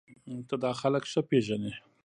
ته دا خلک ښه پېژنې